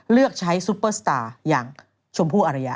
เลือกใช้ซุปเปอร์สตาร์อย่างชมพู่อรยา